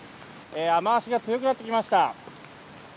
雨足が強くなってきました。